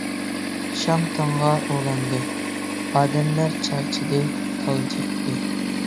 شام تاڭغا ئۇلاندى، ئادەملەر چارچىدى، تالجىقتى.